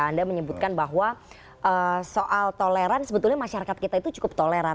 anda menyebutkan bahwa soal toleran sebetulnya masyarakat kita itu cukup toleran